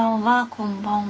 こんばんは。